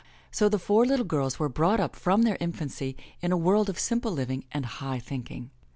So the four little girls were brought up from their infancy in a world of simple living and high thinking.